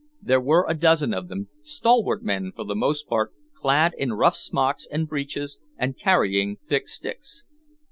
There were a dozen of them, stalwart men for the most part, clad in rough smocks and breeches and carrying thick sticks.